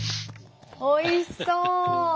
おいしそう！